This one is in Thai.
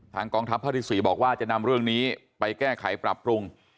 กองทัพภาคที่๔บอกว่าจะนำเรื่องนี้ไปแก้ไขปรับปรุง